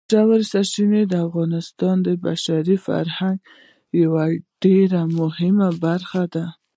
ژورې سرچینې د افغانستان د بشري فرهنګ یوه ډېره مهمه برخه ده.